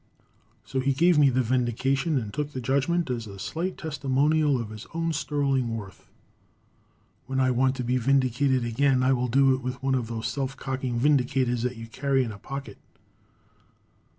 So he gave me the vindication and took the judgment as a slight testimonial of his own sterling worth. When I want to be vindicated again I will do it with one of those self cocking vindicators that you can carry in a pocket.